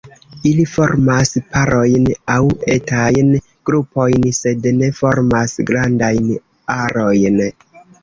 Ili formas parojn aŭ etajn grupojn, sed ne formas grandajn arojn.